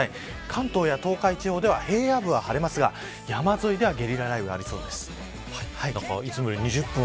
関東や東海地方では平野部は晴れますが山沿いではゲリラ雷雨がありそうです。